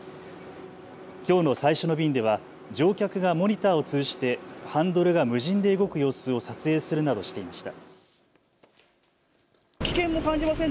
きょうの最初の便では乗客がモニターを通じてハンドルが無人で動く様子を撮影するなどしていました。